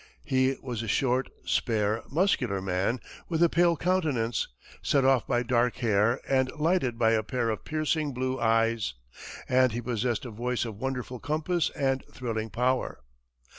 He was a short, spare, muscular man, with a pale countenance, set off by dark hair and lighted by a pair of piercing blue eyes, and he possessed a voice of wonderful compass and thrilling power.